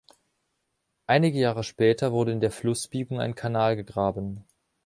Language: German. Einige Jahre später wurde in der Flussbiegung ein Kanal gegraben.